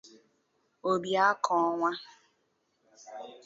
Obiakonwa